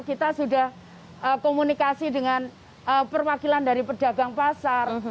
kita sudah komunikasi dengan perwakilan dari pedagang pasar